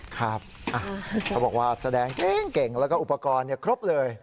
เขาบอกว่าแสดงเก่งแล้วก็อุปกรณ์ครบเลย